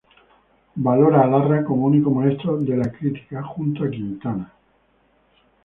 Valora a Larra como único maestro de la crítica junto a Quintana.